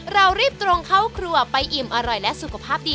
เรารีบตรงเข้าครัวไปอิ่มอร่อยและสุขภาพดี